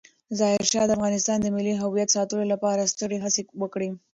ظاهرشاه د افغانستان د ملي هویت ساتلو لپاره سترې هڅې وکړې.